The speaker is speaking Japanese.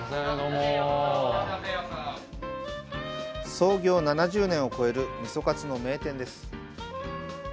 創業７０年を超える「みそかつ」の名店です。